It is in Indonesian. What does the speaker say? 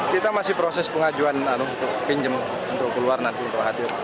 kita masih proses pengajuan pinjem untuk keluar nanti terhadir